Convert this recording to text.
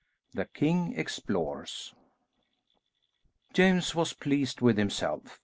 THE KING EXPLORES James was pleased with himself.